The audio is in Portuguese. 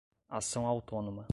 ação autônoma